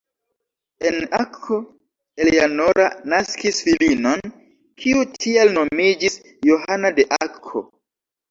En Akko Eleanora naskis filinon, kiu tial nomiĝis Johana de Akko.